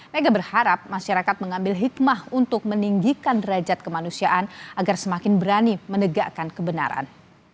mega berharap masyarakat mengambil hikmah untuk meninggikan derajat kemanusiaan agar semakin berani menegakkan kebenaran